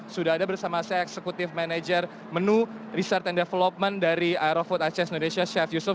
sudah ada bersama saya eksekutif manajer menu research and development dari aerofood access indonesia chef yusuf